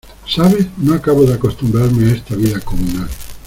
¿ sabes? no acabo de acostumbrarme a esta vida comunal.